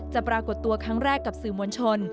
ปรากฏตัวครั้งแรกกับสื่อมวลชน